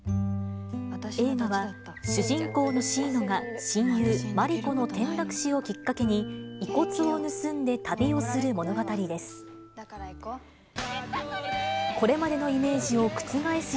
映画は主人公のシイノが親友、マリコの転落死をきっかけに遺骨を盗んで旅をする物語です。